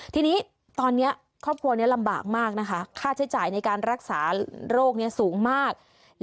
ทีนี้ตอนนี้ครอบครัวนี้ลำบากมากนะคะค่าใช้จ่ายในการรักษาโรคนี้สูงมาก